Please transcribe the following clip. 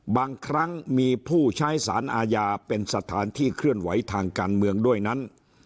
บางครั้งมีผู้ใช้สารอาญาเป็นสถานที่เคลื่อนไหวทางการเมืองด้วยนั้น